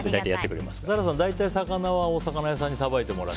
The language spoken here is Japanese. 笠原さん、大体魚は魚屋さんにさばいてもらって？